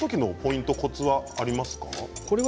コツはありますか？